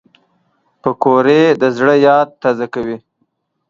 پکورې د زړه یاد تازه کوي